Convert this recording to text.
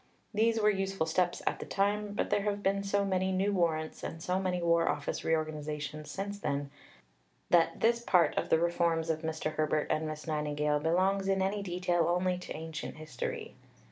These were useful steps at the time, but there have been so many new warrants and so many War Office reorganizations since then that this part of the reforms of Mr. Herbert and Miss Nightingale belongs in any detail only to ancient history.